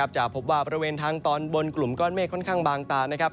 จะพบว่าบริเวณทางตอนบนกลุ่มก้อนเมฆค่อนข้างบางตานะครับ